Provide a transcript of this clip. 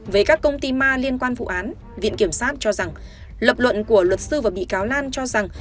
về các công ty ma liên quan vụ án viện kiểm sát cho rằng lập luận của luật sư và bị cáo lan cho rằng